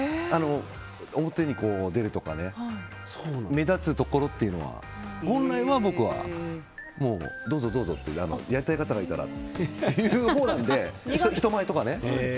表に出るとかね目立つところっていうのは本来は僕はどうぞどうぞってやりたい方がいたらっていうほうなので人前とかね。